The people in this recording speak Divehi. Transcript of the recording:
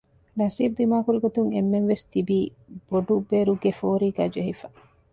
ނަސީބު ދިމާކުރިގޮތުން އެންމެންވެސް ތިބީ ބޮޑުބެރުގެ ފޯރީގައި ޖެހިފަ